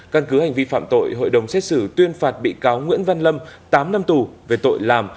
căn cứ hành vi phạm tội hội đồng xét xử tuyên phạt bị cáo nguyễn văn lâm tám năm tù về tội làm